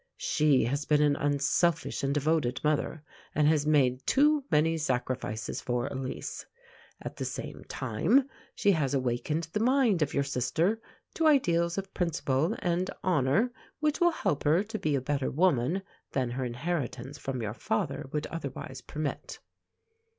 She has been an unselfish and devoted mother, and has made too many sacrifices for Elise. At the same time, she has awakened the mind of your sister to ideals of principle and honour which will help her to be a better woman than her inheritance from your father would otherwise permit.